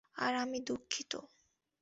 আর আমি দুঃখিত।